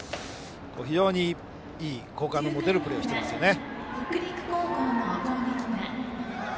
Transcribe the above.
非常にいい、好感の持てるプレーをしていますね。